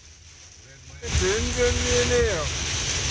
全然見えねーよ。